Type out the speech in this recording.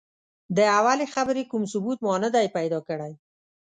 د اولې خبرې کوم ثبوت ما نه دی پیدا کړی.